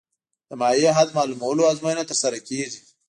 د مایع حد معلومولو ازموینه ترسره کیږي